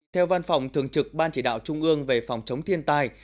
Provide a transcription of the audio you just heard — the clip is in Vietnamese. theo văn phòng thường trực ban chỉ đạo trung ương về phòng chống thiên tai